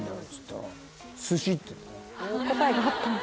答えがあったんだ